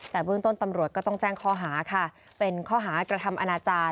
แต่เบื้องต้นตำรวจก็ต้องแจ้งข้อหาค่ะเป็นข้อหากระทำอนาจารย์